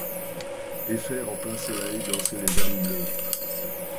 Et faire en plein soleil danser les âmes bleues.